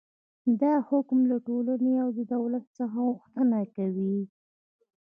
دا حکم له ټولنې او دولت څخه غوښتنه کوي.